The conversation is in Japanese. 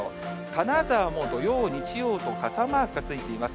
金沢も土曜、日曜と傘マークがついています。